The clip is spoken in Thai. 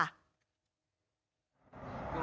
อา